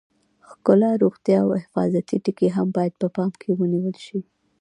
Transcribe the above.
ښکلا، روغتیا او حفاظتي ټکي هم باید په پام کې ونیول شي.